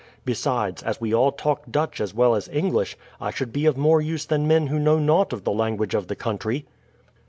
Besides, as we all talk Dutch as well as English, I should be of more use than men who know nought of the language of the country."